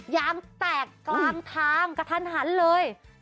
ยางแตกกลางทางกระทันหันเลย